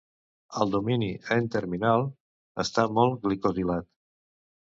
El domini N-terminal està molt glicosilat.